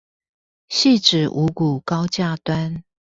汐止五股高架橋